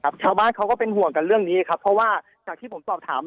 ชาวบ้านเขาก็เป็นห่วงกันเรื่องนี้ครับเพราะว่าจากที่ผมสอบถาม